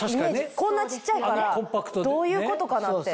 こんな小っちゃいからどういうことかなって。